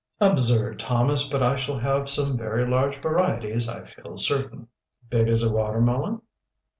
"Absurd, Thomas! But I shall have some very large varieties, I feel certain." "Big as a watermelon?"